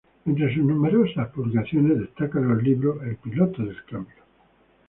Entre sus numerosas publicaciones, destacan los libros: "El piloto del cambio.